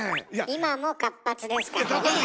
今も活発ですからねえ。